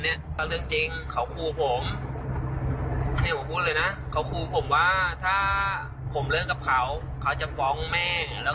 แต่ยังไงผมติดอยู่แล้ว